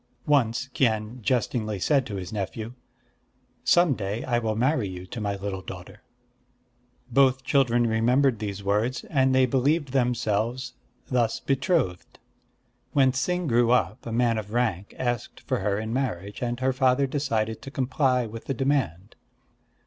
Once Kien jestingly said to his nephew: "Some day I will marry you to my little daughter." Both children remembered these words; and they believed themselves thus betrothed. When Ts'ing grew up, a man of rank asked for her in marriage; and her father decided to comply with the demand.